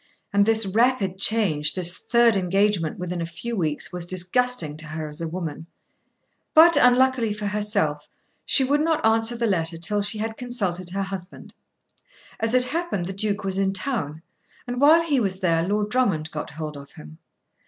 And this rapid change, this third engagement within a few weeks, was disgusting to her as a woman. But, unluckily for herself, she would not answer the letter till she had consulted her husband. As it happened the Duke was in town, and while he was there Lord Drummond got hold of him.